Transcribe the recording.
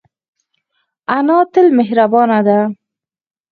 انا تل مهربانه ده